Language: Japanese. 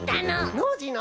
ノージーの？